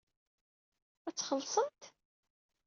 Ad txellṣemt?